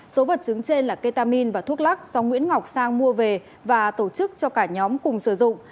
số vật chứng trên là ketamin và thuốc lắc do nguyễn ngọc sang mua về và tổ chức cho cả nhóm cùng sử dụng